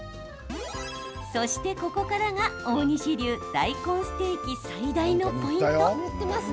そして、ここからが大西流大根ステーキ最大のポイント。